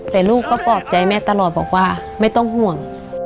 แต่ลูกก็ปลอบใจแม่ตลอดบอกว่าไม่ต้องห่วง